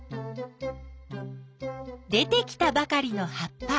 出てきたばかりの葉っぱ。